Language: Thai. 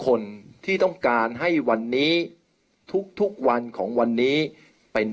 เพื่อยุดยั้งการสืบทอดอำนาจของขอสอชอต่อและยังพร้อมจะเป็นนายกรัฐมนตรี